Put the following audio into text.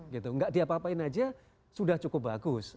tidak diapa apain aja sudah cukup bagus